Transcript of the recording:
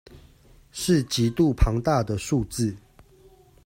是極度龐大的數字